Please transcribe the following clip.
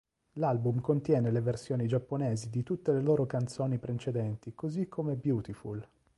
L'album contiene le versioni giapponesi di tutte le loro canzoni precedenti così come "Beautiful".